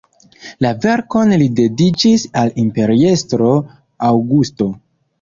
La verkon li dediĉis al imperiestro Aŭgusto.